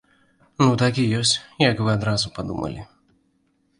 Ну так і ёсць, як вы адразу падумалі.